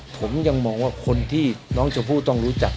ผมยังมองว่าคนที่น้องชมพู่ต้องรู้จัก